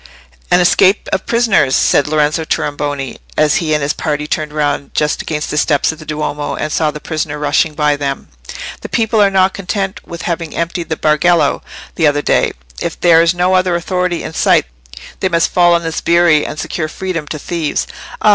"An escape of prisoners," said Lorenzo Tornabuoni, as he and his party turned round just against the steps of the Duomo, and saw a prisoner rushing by them. "The people are not content with having emptied the Bargello the other day. If there is no other authority in sight they must fall on the sbirri and secure freedom to thieves. Ah!